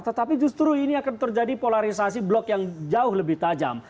tetapi justru ini akan terjadi polarisasi blok yang jauh lebih tajam